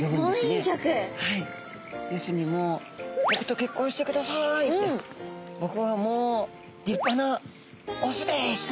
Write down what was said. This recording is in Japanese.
はい要するにもう「僕と結婚してください」って「僕はもう立派なオスです」。